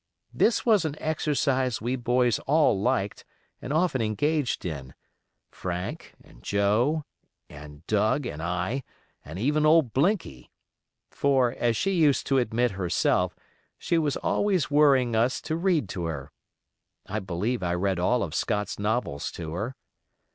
This was an exercise we boys all liked and often engaged in—Frank, and Joe, and Doug, and I, and even old Blinky—for, as she used to admit herself, she was always worrying us to read to her (I believe I read all of Scott's novels to her).